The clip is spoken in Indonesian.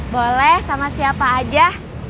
boleh sama siapa aja